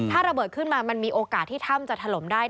ถ้าระเบิดขึ้นมามันมีโอกาสที่ถ้ำจะถล่มได้